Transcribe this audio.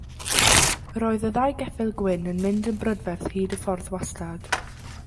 Yr oedd y ddau geffyl gwyn yn mynd yn brydferth hyd y ffordd wastad.